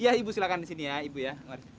iya ibu silakan di sini ya ibu ya